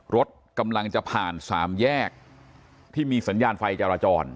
รถกำลังจะผ่านสามแยกที่มีสัญญาณไฟจราจร